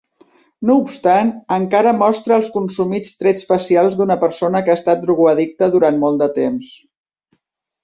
No obstant, encara mostra els consumits trets facials d'una persona que ha estat drogoaddicte durant molt de temps.